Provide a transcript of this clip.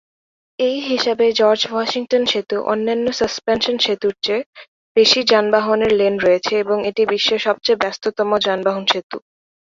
এই হিসাবে, George Washington সেতু অন্যান্য সাসপেনশন সেতুর চেয়ে বেশি যানবাহনের লেন রয়েছে এবং এটি বিশ্বের সবচেয়ে ব্যস্ততম যানবাহন সেতু।